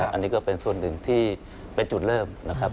อันนี้ก็เป็นส่วนหนึ่งที่เป็นจุดเริ่มนะครับ